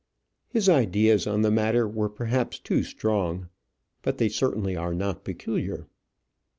His ideas on the matter were perhaps too strong, but they certainly are not peculiar.